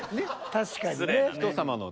確かにね。